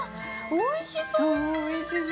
おいしそう。